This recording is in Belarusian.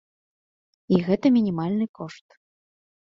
І гэта мінімальны кошт.